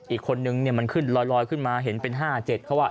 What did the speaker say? อีกคนนึงขึ้นรอยขึ้นมาถึง๕๗เขาว่า